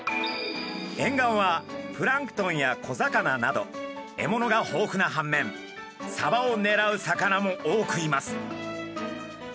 沿岸はプランクトンや小魚など獲物が豊富な反面サバをねらう魚も多くいます。